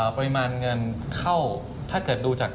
ปริมาณเงินเข้าถ้าเกิดดูจาก